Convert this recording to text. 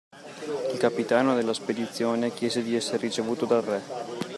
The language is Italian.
Il capitano della spedizione chiese di essere ricevuto dal Re.